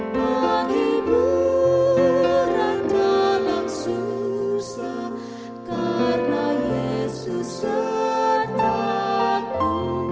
penghiburan dalam susah karena yesus sertaku